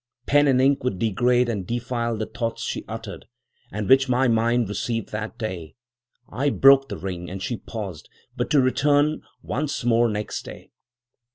Pen and ink would degrade and defile the thoughts she uttered, and which my mind received that day. I broke the ring, and she passed, but to return once more next day.